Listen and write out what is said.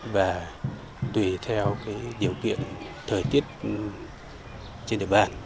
và tùy theo điều kiện thời tiết trên đời bản